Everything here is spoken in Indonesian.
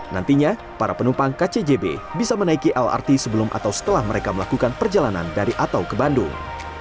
nantinya para penumpang kcjb bisa menaiki lrt sebelum atau setelah mereka melakukan perjalanan dari atau ke bandung